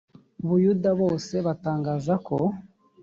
buyuda bose batangaza ko